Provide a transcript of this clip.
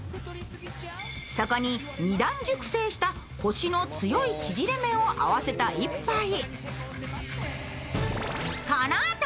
そこに二段熟成したこしの強い縮れ麺を合わせた一杯。